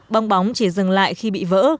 bong bóng chỉ dừng lại khi bị vỡ